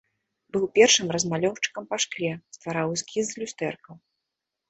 Быў першым размалёўшчыкам па шкле, ствараў эскізы люстэркаў.